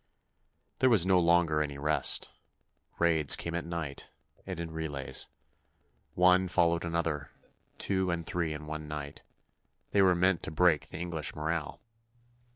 There was no longer any rest. Raids came at night, and in relays. One followed another—two and three in one night. They were meant to break the English morale.